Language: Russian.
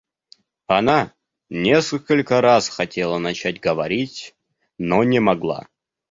Она несколько раз хотела начать говорить, но не могла.